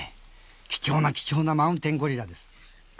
貴重な貴重なマウンテンゴリラです。